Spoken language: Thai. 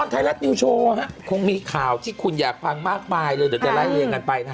ปลายปีค่ะสู่กลางนะครับ